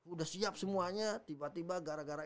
udah siap semuanya tiba tiba gara gara